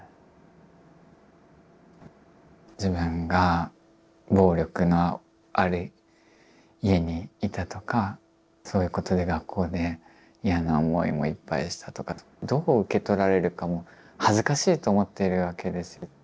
自分が暴力のある家にいたとかそういうことで学校で嫌な思いもいっぱいしたとかどう受け取られるかも恥ずかしいと思ってるわけですよ。